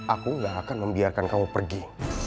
aku gak akan membiarkan kamu pergi